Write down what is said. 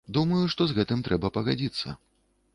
Думаю, што з гэтым трэба пагадзіцца.